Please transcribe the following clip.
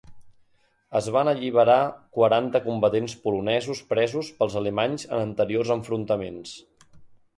Es van alliberar quaranta combatents polonesos presos pels alemanys en anteriors enfrontaments.